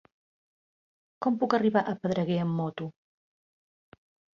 Com puc arribar a Pedreguer amb moto?